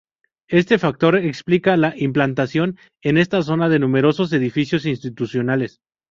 Este factor explica la implantación en esta zona de numerosos edificios institucionales.